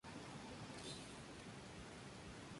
Es miembro del equipo directivo de Tribuna Barcelona.